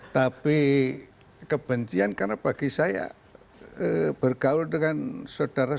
tapi kebencian karena bagi saya bergaul dengan saudara saudara